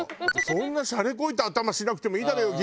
そんなシャレこいた頭しなくてもいいだろうよ